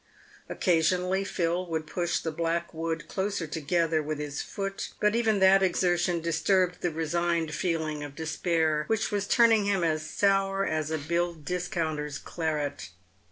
Occa sionally Phil would push the black wood closer together with his foot, but even that exertion disturbed the resigned feeling of despair which was turniug him as sour as a bill discounter's claret.